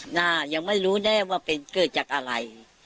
หน้ายังไม่รู้แน่ว่าเป็นเกิดจากอะไร